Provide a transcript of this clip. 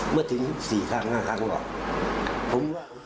เมื่อถึงสี่ครั้งห้าครั้งหรอกผมว่า